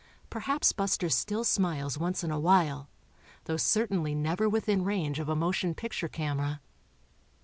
Perhaps Buster still smiles once in a while, though certainly never within range of a motion picture camera.